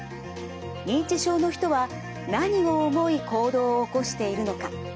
認知症の人は何を思い行動を起こしているのか。